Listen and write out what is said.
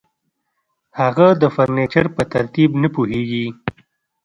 هغه د فرنیچر په ترتیب نه پوهیږي